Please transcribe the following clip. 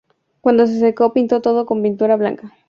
Cuando se secó pinto todo con pintura blanca.